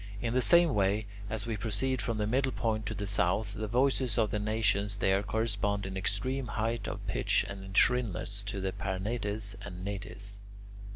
In the same way, as we proceed from the middle point to the south, the voices of the nations there correspond in extreme height of pitch and in shrillness to the "paranetes" and "netes."